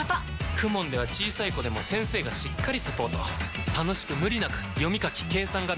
ＫＵＭＯＮ では小さい子でも先生がしっかりサポート楽しく無理なく読み書き計算が身につきます！